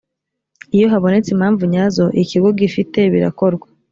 iyo habonetse impamvu nyazo ikigo gifite birakorwa